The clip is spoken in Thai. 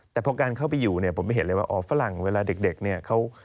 แต่พอการเข้าไปอยู่เนี่ยผมไม่เห็นเลยว่าอ๋อฝรั่งเวลาเด็กเนี่ยเขา